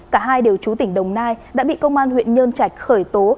cả hai đều trú tỉnh đồng nai đã bị công an huyện nhơn trạch khởi tố